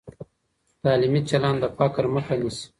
تعلیمي چلند د فقر مخه نیسي.